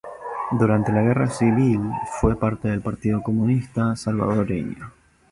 Durante la Guerra Civil, fue parte del Partido Comunista Salvadoreño.